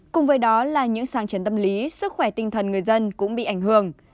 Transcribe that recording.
cùng với đó là những sáng chấn tâm lý sức khỏe tinh thần người dân cũng bị ảnh hưởng